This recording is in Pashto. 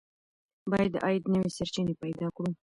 باید د عاید نوې سرچینې پیدا کړو.